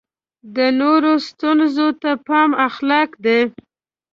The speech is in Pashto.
د نورو ستونزو ته پام اخلاق دی.